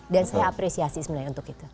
dan saya apresiasi sebenarnya untuk itu